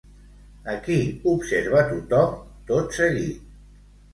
A qui observa tothom, tot seguit?